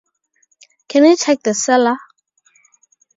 Can you check the cellar?